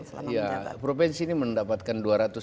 selama menjaga provinsi ini mendapatkan